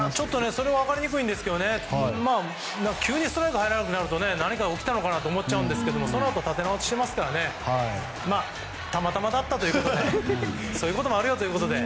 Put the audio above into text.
それは分かりにくいんですが急にストライクが入らなくなると何か起きたのかなと思っちゃうんですけどそのあと立て直してますからたまたまだったということでそういうこともあるよと。